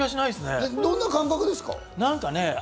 どんな感覚ですか？